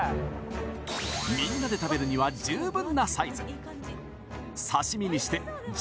みんなで食べるには十分なサイズ。